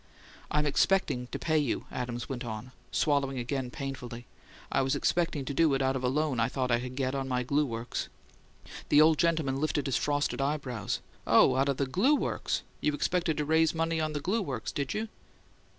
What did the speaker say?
"I'm expecting to pay you," Adams went on, swallowing again, painfully. "I was expecting to do it out of a loan I thought I could get on my glue works." The old gentleman lifted his frosted eyebrows. "Oh, out o' the GLUE works? You expected to raise money on the glue works, did you?"